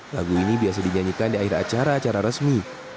lagu ini biasa dinyanyikan di akhir acara acara resmi